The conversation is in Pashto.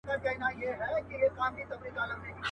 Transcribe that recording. زما دعا به درسره وي زرکلن سې.